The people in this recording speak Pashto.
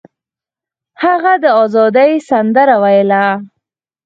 هغه د ازادۍ سندره ویله.